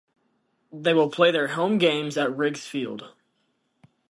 They will play their home games at Riggs Field.